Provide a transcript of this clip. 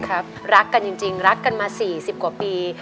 รักกันจริงรักกันมา๔๐กว่าปี